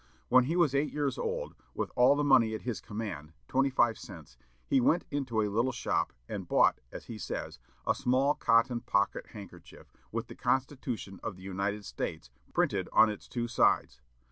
When he was eight years old, with all the money at his command, twenty five cents, he went into a little shop "and bought," as he says, "a small cotton pocket handkerchief, with the Constitution of the United States printed on its two sides.